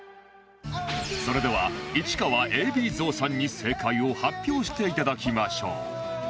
それでは市川 ＡＢ 蔵さんに正解を発表していただきましょう